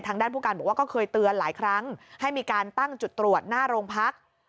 ทางด้านผู้การบอกว่าก็เคยเตือนหลายครั้งให้มีการตั้งจุดตรวจหน้าโรงพัก